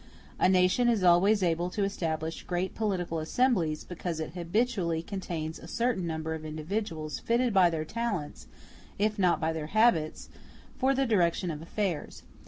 A nation is always able to establish great political assemblies, because it habitually contains a certain number of individuals fitted by their talents, if not by their habits, for the direction of affairs.